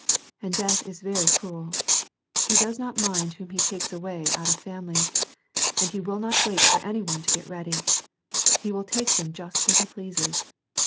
And death is very cruel : he does not mind whom he takes away out of families, and he will not wait for anyone to get ready ; he will take you just when he pleases.